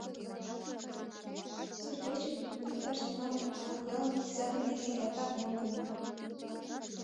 Сурт-печым уэмдаш тӱҥалме, а вот ялым тӱзатыме нерген ялтак мондымо!